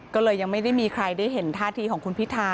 ก็เลยยังไม่ได้มีใครได้เห็นท่าทีของคุณพิธา